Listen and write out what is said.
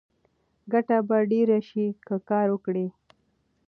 ګټه به ډېره شي که کار وکړې.